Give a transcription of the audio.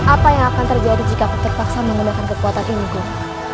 apa yang akan terjadi jika aku terpaksa menggunakan kekuatan ini